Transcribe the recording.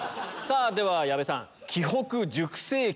では矢部さん。